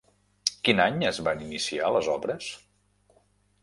Quin any es van iniciar les obres?